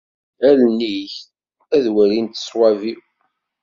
Allen-ik ad walint ṣṣwab-iw.